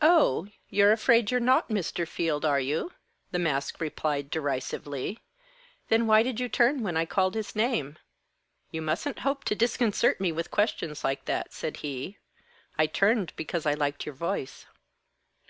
"Oh you're afraid you're not Mr. Field, are you?" the mask replied derisively. "Then why did you turn when I called his name?" "You mustn't hope to disconcert me with questions like that," said he. "I turned because I liked your voice."